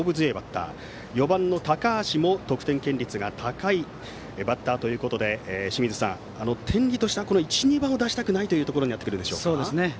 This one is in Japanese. ４番の高橋も得点圏率が高いバッターということで清水さん、天理としては１、２番を出したくないというところになってきますか？